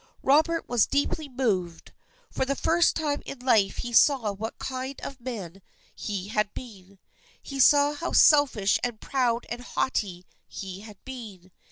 Robert was deeply moved. For the first time in his life he saw what kind of man he had been. He saw how selfish and proud and haughty he had been.